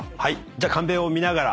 じゃあカンペを見ながら。